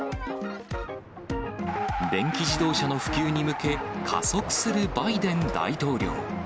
電気自動車の普及に向け、加速するバイデン大統領。